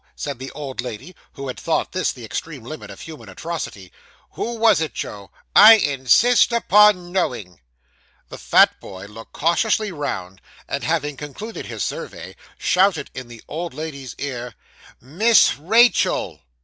said the old lady, who had thought this the extreme limit of human atrocity. 'Who was it, Joe? I insist upon knowing.' The fat boy looked cautiously round, and having concluded his survey, shouted in the old lady's ear 'Miss Rachael.